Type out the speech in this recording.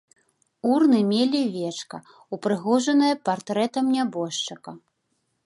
Урны мелі вечка, упрыгожанае партрэтам нябожчыка.